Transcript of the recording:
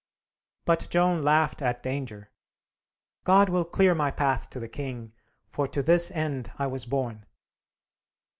But Joan laughed at danger. "God will clear my path to the king, for to this end I was born."